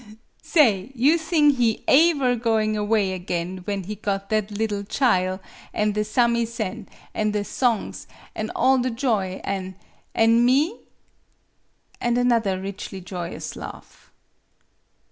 Sa ay you thing he aever going away again when he got that liddle chile, an' the samisen, an' the songs, an' all the joy, an' an' me?" And another richly joyous laugh.